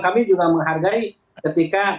kami juga menghargai ketika